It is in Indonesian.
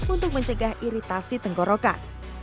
untuk mencegah iritasi tengkorokan